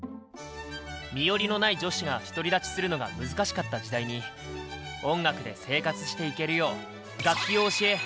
身寄りのない女子が独り立ちするのが難しかった時代に音楽で生活していけるよう楽器を教えグループを結成したんだ。